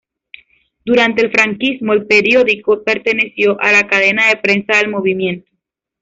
Durante el franquismo el periódico perteneció a la cadena de Prensa del Movimiento.